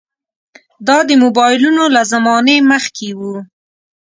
دا د موبایلونو له زمانې مخکې وو.